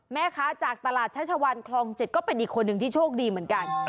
แม่ค้าจากตลาดชัชวัลคลอง๗ก็เป็นอีกคนหนึ่งที่โชคดีเหมือนกัน